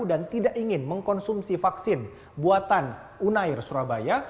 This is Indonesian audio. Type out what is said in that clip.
dan tidak ingin mengkonsumsi vaksin buatan unair surabaya